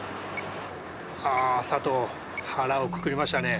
あ、佐藤腹をくくりましたね。